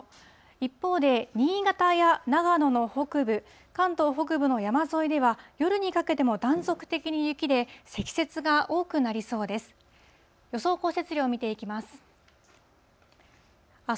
一方で新潟や長野の北部、関東北部の山沿いでは夜にかけても断続的に雪で、積雪が多くなりそうです。